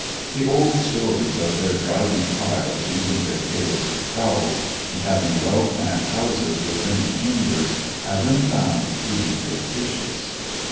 The old stories of their driving piles, using their tails for trowels, and having well planned houses with many chambers, have been found to be fictitious.